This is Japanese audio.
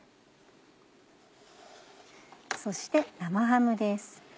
そして生ハムです。